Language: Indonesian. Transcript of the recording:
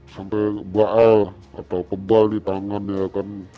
sampai baal atau pebal di tangannya kan